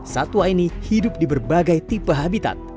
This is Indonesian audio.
satwa ini hidup di berbagai tipe habitat